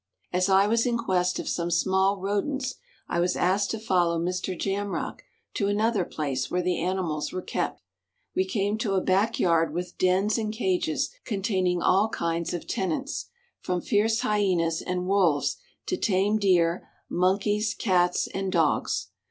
As I was in quest of some small rodents I was asked to follow Mr. Jamrach to another place where the animals were kept. We came to a back yard with dens and cages containing all kinds of tenants, from fierce hyenas and wolves to tame deer, monkeys, cats, and dogs.